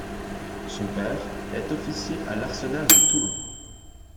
Son père est officier à l'Arsenal de Toulon.